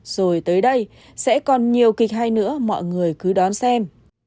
rồi tới đây sẽ còn nhiều kịch hay nữa mọi người cứ đón xem